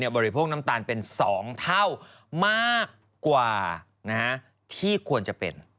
บริโภคน้ำตาลเป็น๒เท่ามากกว่าที่ควรจะเป็น